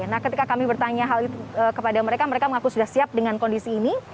nah ketika kami bertanya hal itu kepada mereka mereka mengaku sudah siap dengan kondisi ini